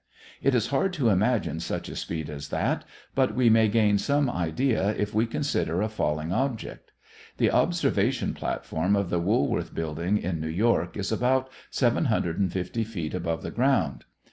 It is hard to imagine such a speed as that, but we may gain some idea if we consider a falling object. The observation platform of the Woolworth Building, in New York, is about 750 feet above the ground.